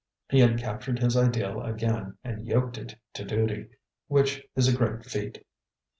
He had captured his ideal again and yoked it to duty which is a great feat.